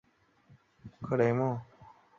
政府影响了赞成票的数量。